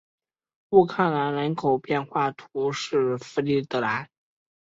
乌当人口变化图示弗里德兰